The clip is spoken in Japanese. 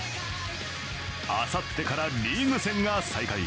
あさってからリーグ戦が再開。